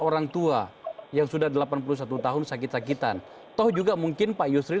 pada saat menjadi wakil menteri